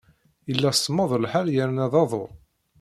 Yella semmeḍ lḥal yerna d aḍu.